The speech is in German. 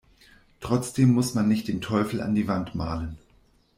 Trotzdem muss man nicht den Teufel an die Wand malen.